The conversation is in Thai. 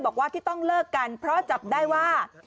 บอกว่าที่ต้องเลิกกันเพราะจับได้ว่า